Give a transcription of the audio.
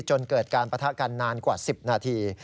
จนเกิดการปะทะกันนานกว่า๑๐นาที